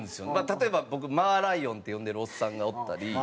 例えば僕「マーライオン」って呼んでるおっさんがおったり。